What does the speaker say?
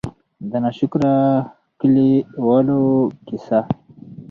د نا شکره کلي والو قيصه :